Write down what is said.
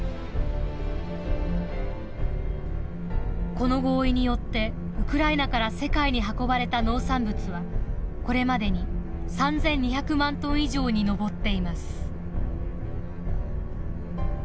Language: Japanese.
この合意によってウクライナから世界に運ばれた農産物はこれまでに３，２００万トン以上に上っています。